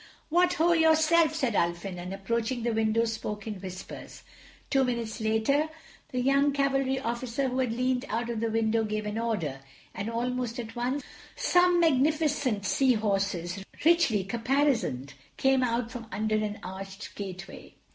"What ho! yourself," said Ulfin, and approaching the window spoke in whispers. Two minutes later the young Cavalry Officer who had leaned out of the window gave an order, and almost at once some magnificent Sea Horses, richly caparisoned, came out from under an arched gateway.